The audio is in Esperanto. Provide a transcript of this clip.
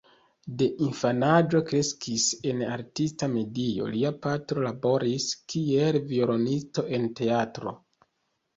De infanaĝo kreskis en artista medio: lia patro laboris kiel violonisto en teatro.